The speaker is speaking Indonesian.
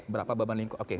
berapa beban lingkungan